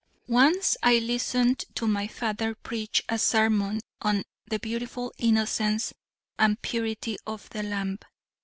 Once I listened to my father preach a sermon on the beautiful innocence and purity of the lamb.